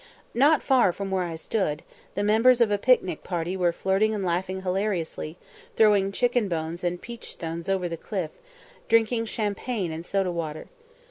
Not far from where I stood, the members of a picnic party were flirting and laughing hilariously, throwing chicken bones and peach stones over the cliff, drinking champagne and soda water.